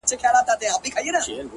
چې به تلې څه د ځېلي ماشوم پشانتې